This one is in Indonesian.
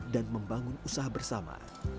dan membangun usaha bersama